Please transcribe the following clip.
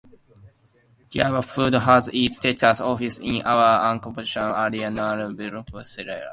Goya Foods has its Texas offices in an unincorporated area near Brookshire.